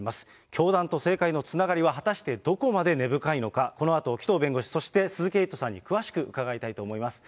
教団と政界のつながりは、果たしてどこまで根深いのか、このあと紀藤弁護士、そして鈴木エイトさんに詳しく伺いたいと思います。